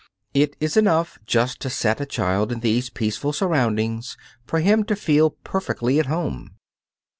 It is enough just to set a child in these peaceful surroundings for him to feel perfectly at home.